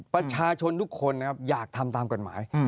ประชาชนทุกคนนะครับอยากทำตามกฎหมาย